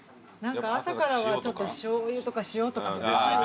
朝からはちょっとしょうゆとか塩とか。ですよね。